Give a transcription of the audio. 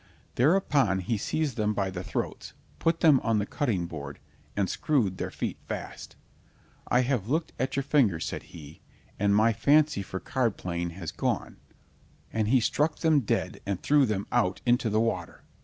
Thereupon he seized them by the throats, put them on the cutting board and screwed their feet fast. "I have looked at your fingers," said he, "and my fancy for card playing has gone, and he struck them dead and threw them out into the water.